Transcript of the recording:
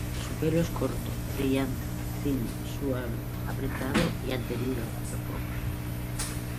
Su pelo es corto, brillante, fino, suave, apretado y adherido al cuerpo.